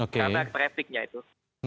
karena trafiknya itu